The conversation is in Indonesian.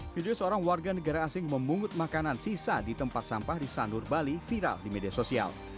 video seorang warga negara asing memungut makanan sisa di tempat sampah di sanur bali viral di media sosial